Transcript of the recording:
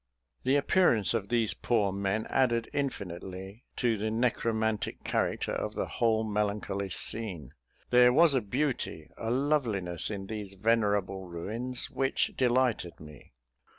The appearance of these poor men added infinitely to the necromantic character of the whole melancholy scene. There was a beauty, a loveliness, in these venerable ruins, which delighted me.